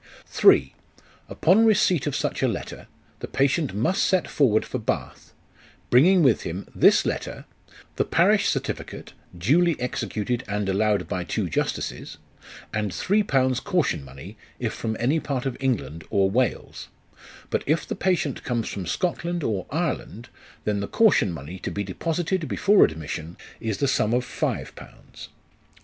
" III. Upon the receipt of such a letter the patient must set forward for Bath, bringing with him this letter, the parish certificate duly executed, and allowed by two justices, and three pounds caution money, if from any part of England or "Wales ; but if the patient comes from Scotland or Ireland, then the caution money to be deposited before admission, is the sum of five pounds.